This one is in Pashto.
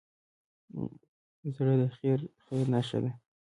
زړه د خیر نښه ده.